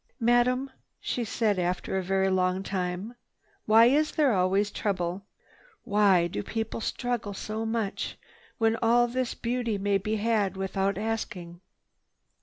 "Madame," she said after a very long time, "why is there always trouble? Why do people struggle so much, when all this beauty may be had without asking?"